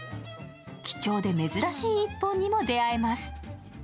貴重で珍しい１本にも出会えます。